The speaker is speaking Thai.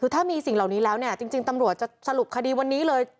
คือถ้ามีสิ่งเหล่านี้แล้วเนี่ยจริงตำรวจจะสรุปคดีวันนี้เลย